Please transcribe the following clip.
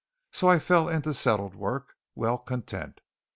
So I fell into settled work, well content.